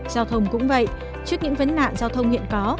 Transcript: giao thông cũng vậy trước những vấn nạn giao thông hiện có